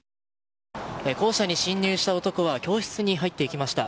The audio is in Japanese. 校舎に侵入した男は教室に入っていきました。